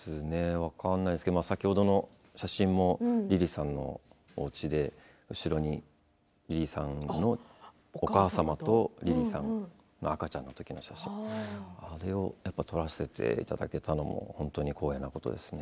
分かんないですけど先ほどの写真もリリーさんのおうちで後ろにリリーさんのお母様とリリーさんが赤ちゃんのときのお写真あれを撮らせていただけたのも光栄なことですね。